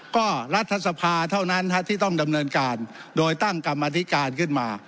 ก็รัฐสภาเท่านั้นที่ต้องดำเนินการโดยตั้งกรรมธิการขึ้นมา